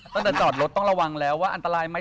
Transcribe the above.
ตั้งแต่จอดรถต้องระวังแล้วว่าอันตรายไหม